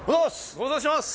ご無沙汰してます。